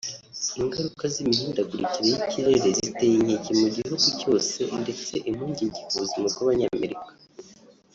Ingaruka z’imihindagurikire y’ikirere ziteye inkeke mu gihugu cyose ndetse impungenge ku buzima bw’Abanyamerika